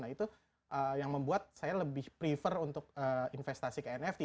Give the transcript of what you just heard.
nah itu yang membuat saya lebih prefer untuk investasi ke nft